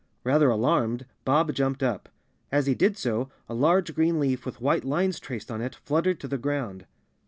Rather alarmed, Bob jumped up. As he did so a large green leaf with white lines traced on it fluttered to the ground.